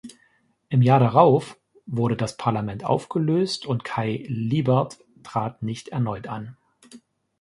Im Jahr darauf wurde das Parlament aufgelöst und Kaj Lyberth trat nicht erneut an.